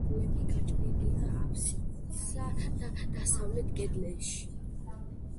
სარკმლები გაჭრილია აფსიდსა და დასავლეთ კედელში.